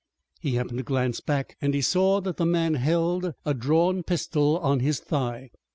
He happened to glance back and he saw that the man held a drawn pistol on his thigh.